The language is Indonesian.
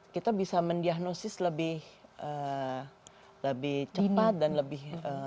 kita bisa mendiagnosis lebih cepat dan lebih